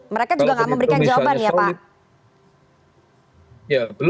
mereka juga gak mau memberikan jawaban ya pak